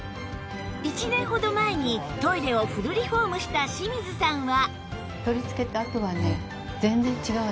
１年ほど前にトイレをフルリフォームした清水さんは